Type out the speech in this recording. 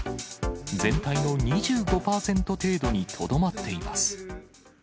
全体の２５％程度にとどまっています。